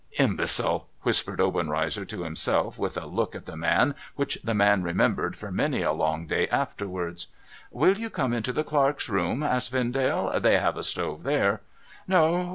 ' Imbecile !' whispered Obenreizer to himself, with a look at the man which the man remembered for many a long day afterwards. ' Will you come into the clerks' room ?' asked Vendale. ' They have a stove there.' ' No, no.